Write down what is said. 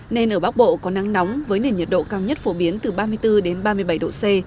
nên ở bắc bộ có nắng nóng với nền nhiệt độ cao nhất phổ biến từ ba mươi bốn đến ba mươi bảy độ c